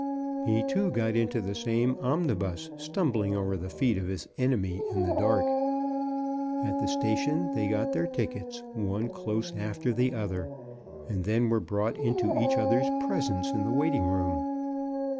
He, too, got into the same omnibus, stumbling over the feet of his enemy in the dark. At the station they got MRS. BROWN DOES ESCAPE. 63 their tickets, one close after the other, and then were brought into each other's presence in the waiting room.